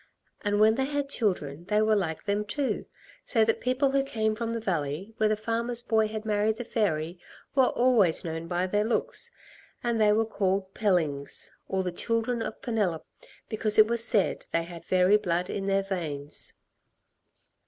"And when they had children they were like them, too, so that people who came from the valley where the farmer's boy had married the fairy were always known by their looks, and they were called Pellings, or the children of Penelop, because it was said they had fairy blood in their veins."